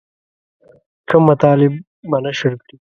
ښه مطالب به نشر کړي.